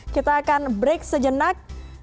kita akan break sejenak